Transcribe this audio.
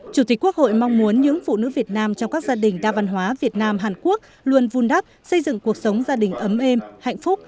chủ tịch quốc hội mong muốn những phụ nữ việt nam trong các gia đình đa văn hóa việt nam hàn quốc luôn vun đắp xây dựng cuộc sống gia đình ấm êm hạnh phúc